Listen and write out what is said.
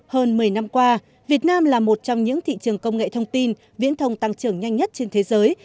hơn một mươi năm qua việt nam là một trong những thị trường công nghệ thông tin viễn thông tăng trưởng nhanh nhất trên thế giới